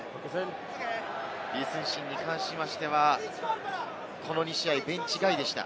李承信に関しましては、この２試合ベンチ外でした。